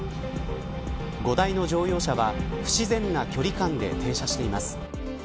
５台の乗用車は不自然な距離感で停車しています。